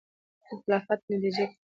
د اختلافاتو په نتیجه کې